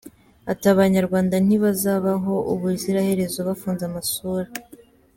Ati “ Abanyarwanda ntibazabaho ubuziraherezo bafunze amasura.